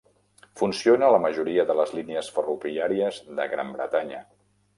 Funciona a la majoria de les línies ferroviàries de Gran Bretanya.